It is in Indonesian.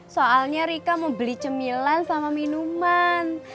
soalnya rika mau beli cemilan sama minuman